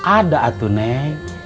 ada atu neng